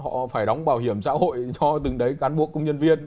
họ phải đóng bảo hiểm xã hội cho từng đấy cán bộ công nhân viên